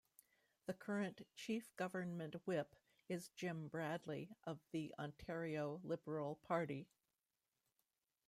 The current Chief Government Whip is Jim Bradley of the Ontario Liberal Party.